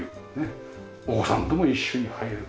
お子さんとも一緒に入れる。